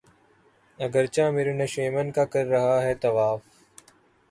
اگرچہ میرے نشیمن کا کر رہا ہے طواف